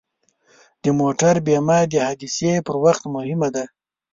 د موټر بیمه د حادثې پر وخت مهمه ده.